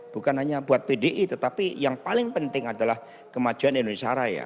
bukan hanya buat pdi tetapi yang paling penting adalah kemajuan indonesia raya